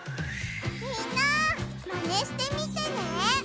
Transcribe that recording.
みんなマネしてみてね！